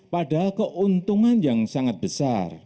padahal keuntungan yang sangat besar